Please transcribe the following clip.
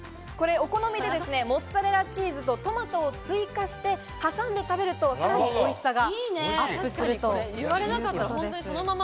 お好みでモッツァレラチーズとトマトを追加して、挟んで食べるとさらにおいしさがアップするということです。